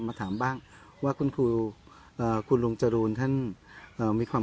มาถามบ้างว่าคุณครูเอ่อคุณลุงจรูนท่านมีความ